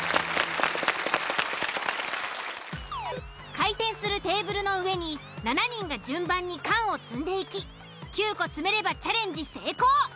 回転するテーブルの上に７人が順番に缶を積んでいき９個積めればチャレンジ成功。